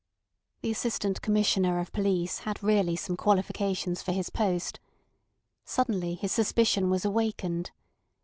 The Assistant Commissioner of Police had really some qualifications for his post. Suddenly his suspicion was awakened.